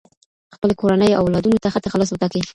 خپلي کورنۍ او اولادونو ته ښه تخلص وټاکئ.